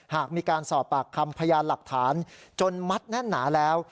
หากมีการสอบปากคำพยานหลักฐานจนมัดแน่นหนาแล้ว